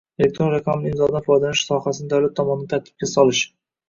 Elektron raqamli imzodan foydalanish sohasini davlat tomonidan tartibga solish